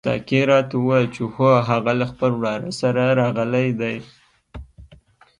ساقي راته وویل چې هو هغه له خپل وراره سره راغلی دی.